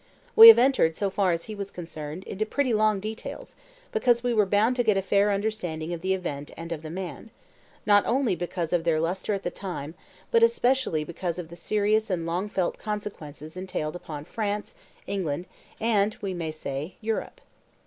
We have entered, so far as he was concerned, into pretty long details, because we were bound to get a fair understanding of the event and of the man; not only because of their lustre at the time, but especially because of the serious and long felt consequences entailed upon France, England, and, we may say, Europe.